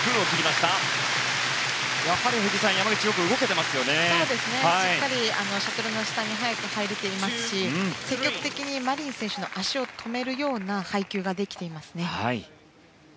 しっかりシャトルの下に入れていますし積極的にマリン選手の足を止めるような配球ができていますね。